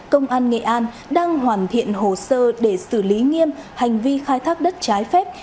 công an nghệ an đang hoàn thiện hồ sơ để xử lý nghiêm hành vi khai thác đất trái phép